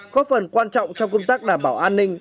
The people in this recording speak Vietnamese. góp phần quan trọng trong công tác đảm bảo an ninh